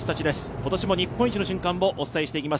今年も日本一の瞬間をお伝えします。